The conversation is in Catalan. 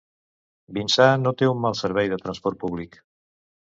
Vinçà no té un mal servei de transport públic.